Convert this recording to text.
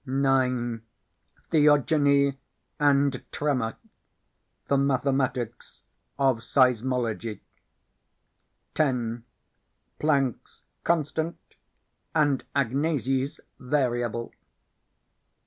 9. Theogony and Tremor the Mathematics of Seismology. 10. Planck's Constant and Agnesi's Variable.